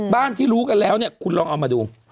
ที่รู้กันแล้วเนี่ยคุณลองเอามาดู